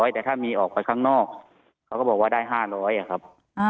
แต่ถ้ามีออกไปข้างนอกเขาก็บอกว่าได้๕๐๐ครับ